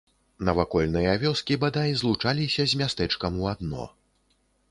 Навакольныя вёскі бадай злучаліся з мястэчкам у адно.